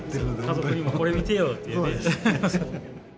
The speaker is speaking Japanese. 家族にも「これ見てよ」っていうね。